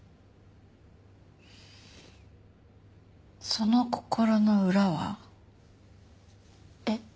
その心の裏は？えっ？